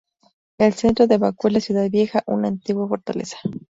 El centro de Bakú es la ciudad vieja, una antigua fortaleza.